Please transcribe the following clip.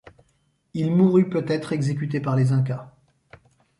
Il mourut peut-être exécuté par les Incas.